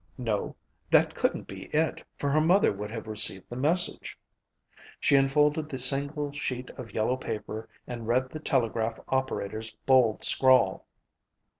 No, that couldn't be it for her mother would have received the message. She unfolded the single sheet of yellow paper and read the telegraph operator's bold scrawl.